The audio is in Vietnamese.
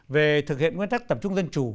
về thực hiện nguyên tắc tập trung dân chủ